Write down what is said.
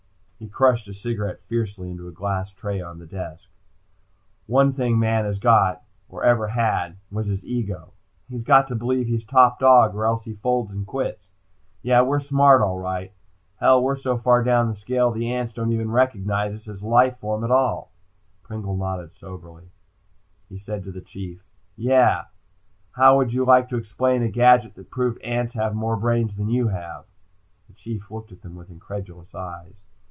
He crushed a cigarette fiercely into a glass ash tray on the desk. "Only thing man has got, or ever had, was his ego. He's got to believe he's top dog, or else he folds and quits. Yeah, we're smart all right. Hell, we're so far down the scale the ants don't even recognize us as a life form at all." Pringle nodded soberly. "Yeah," he said to the Chief, "how would you like to explain a gadget that proved ants have more brains than you have?" The Chief looked at them with incredulous eyes.